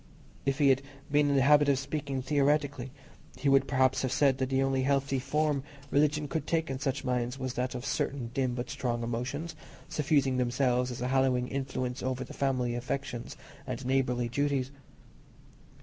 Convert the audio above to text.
If he had been in the habit of speaking theoretically, he would perhaps have said that the only healthy form religion could take in such minds was that of certain dim but strong emotions, suffusing themselves as a hallowing influence over the family affections and neighbourly duties.